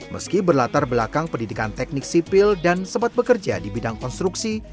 meski berlatar belakang pendidikan teknik sipil dan sempat bekerja di bidang konstruksi